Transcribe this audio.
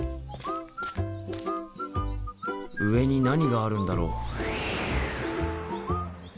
上に何があるんだろ？